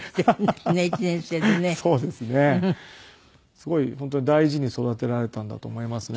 すごい本当に大事に育てられたんだと思いますね。